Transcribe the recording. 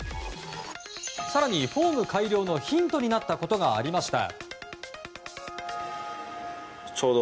更に、フォーム改良のヒントになったことがありました。